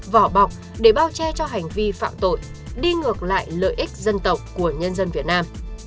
vỏ bọc để bao che cho hành vi phạm tội đi ngược lại lợi ích dân tộc của nhân dân việt nam